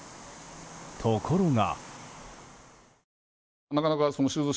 ところが。